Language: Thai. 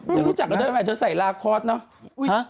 คุณรู้จักแล้วเธอเป็นไงเธอใส่ลากคล้อตต๋อเหรอ